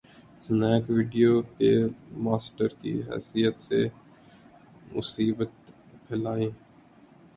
Snack video کے master کی حیثیت سے ، مثبتیت پھیلائیں۔